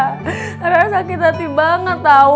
karena sakit hati banget tau